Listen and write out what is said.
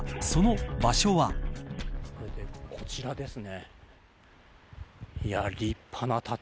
こちらですね。